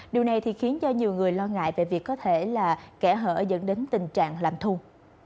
điều này thì khiến cho nhiều người lo ngại về việc có thể là kẻ hở dẫn đến tình trạng làm thu